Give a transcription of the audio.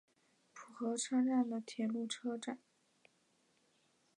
浦和车站的铁路车站。